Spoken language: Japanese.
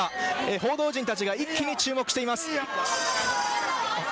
報道陣たちが一気に注目しています。